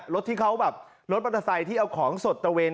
รถที่เขาแบบรถปราศัยที่เอาของสดตระเวน